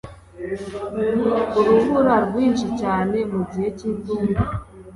urubura rwinshi cyane mu gihe cy'itumba